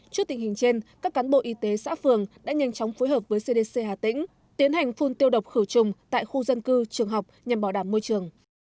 trước tình hình trên các cán bộ y tế xã phường đã nhanh chóng phối hợp với cdc hà tĩnh tiến hành phun tiêu độc khử trùng tại khu dân cư trường học nhằm bảo đảm môi trường